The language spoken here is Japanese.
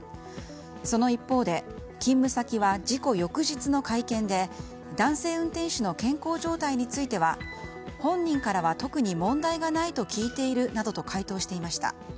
その一方で勤務先は事故翌日の会見で男性運転手の健康状態については本人からは特に問題がないと聞いているなどと回答していました。